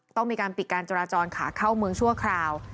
ต้องมีการปิดการจราจรขาเข้าเมืองชั่วคราว